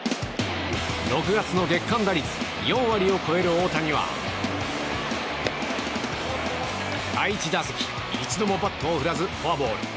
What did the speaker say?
６月の月間打率４割を超える大谷は第１打席、一度もバットを振らずフォアボール。